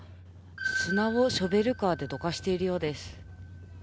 砂をショベルカーでどかしているようです。